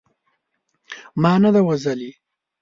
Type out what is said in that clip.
ما نه ده وژلې.